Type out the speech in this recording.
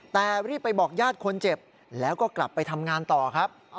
แต่รีบไปบอกญาติคนเจ็บแล้วก็กลับไปทำงานต่อครับ